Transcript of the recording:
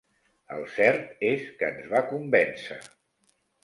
El cert és que ens va convèncer.